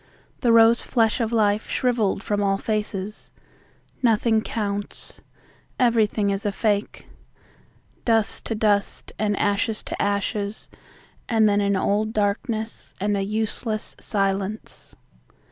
The rose flesh of life shriveled from all faces. Nothing counts. Everything is a fake. Dust to dust and ashes to ashes and then an old darkness and a useless silence.